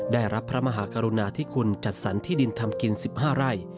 ได้รับพระมหากรุณาธิคุณจัดสรรที่ดินทำกิน๑๕ไร่